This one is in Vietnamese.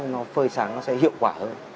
nó phơi sáng nó sẽ hiệu quả hơn